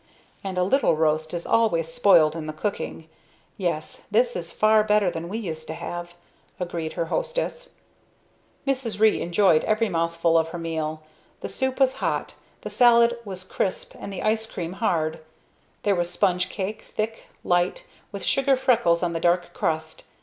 "And a little roast is always spoiled in the cooking. Yes this is far better than we used to have," agreed her hostess. Mrs. Ree enjoyed every mouthful of her meal. The soup was hot. The salad was crisp and the ice cream hard. There was sponge cake, thick, light, with sugar freckles on the dark crust.